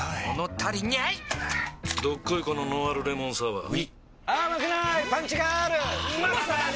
どっこいこのノンアルレモンサワーうぃまさに！